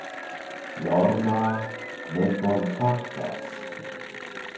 Lorna ne bonfartas.